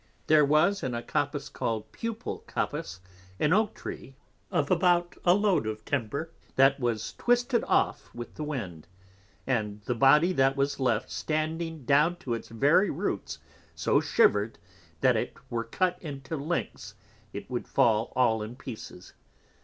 There was in a Coppice called Pupal Coppice, an Oak Tree, of about a Load of Timber, that was twisted off with the Wind, and the Body that was left standing down to the very Roots so shivered, that if it were cut into Lengths, it would fall all in pieces.